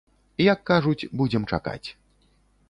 Як кажуць, будзем чакаць.